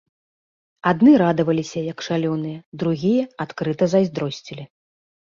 Адны радаваліся, як шалёныя, другія адкрыта зайздросцілі.